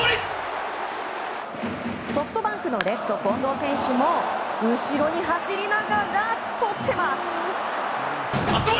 ソフトバンクのレフト近藤選手も後ろに走りながらとってます。